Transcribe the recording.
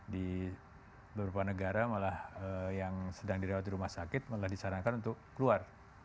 di beberapa negara malah yang sedang dirawat di rumah sakit malah disarankan untuk keluar